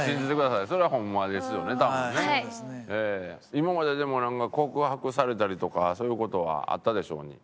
今まででもなんか告白されたりとかそういう事はあったでしょうに。